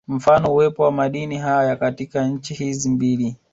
Mfano uwepo wa madini haya katika nchi hizi mbili